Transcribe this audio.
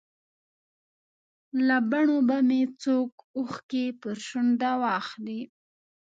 له بڼو به مې څوک اوښکې پر شونډه واخلي.